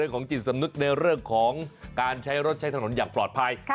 ของจิตสำนึกในเรื่องของการใช้รถใช้ถนนอย่างปลอดภัย